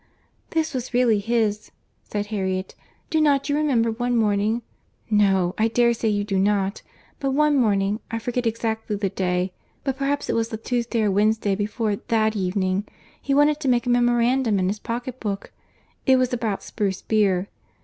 "This was really his," said Harriet.—"Do not you remember one morning?—no, I dare say you do not. But one morning—I forget exactly the day—but perhaps it was the Tuesday or Wednesday before that evening, he wanted to make a memorandum in his pocket book; it was about spruce beer.